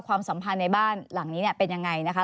สัมพันธ์ในบ้านหลังนี้เป็นยังไงนะคะ